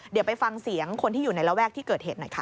เดี๋ยวไปฟังเสียงคนที่อยู่ในระแวกที่เกิดเหตุหน่อยค่ะ